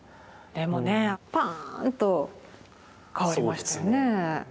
でもねパーンと変わりましたよね。